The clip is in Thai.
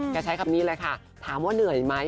ใช้คำนี้เลยค่ะถามว่าเหนื่อยไหม